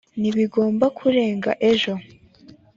ntibigomba kurenga ejo